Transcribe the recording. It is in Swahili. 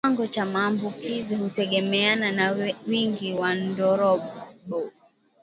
Kiwango cha maambukizi hutegemeana na wingi wa ndorobo